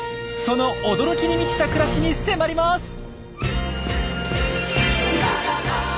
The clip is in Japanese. その驚きに満ちた暮らしに迫ります！